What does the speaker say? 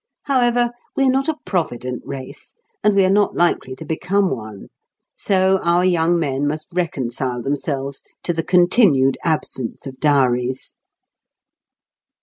However, we are not a provident race, and we are not likely to become one. So our young men must reconcile themselves to the continued absence of dowries.